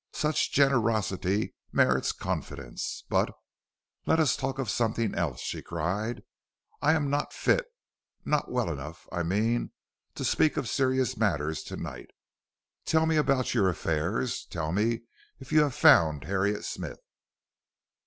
Such generosity merits confidence, but Let us talk of something else," she cried. "I am not fit not well enough, I mean, to speak of serious matters to night. Tell me about your affairs. Tell me if you have found Harriet Smith."